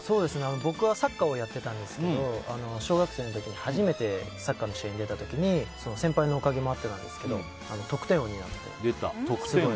僕はサッカーをやってたんですけど小学生の時に初めてサッカーの試合に出た時に先輩のおかげもあってなんですけど得点王。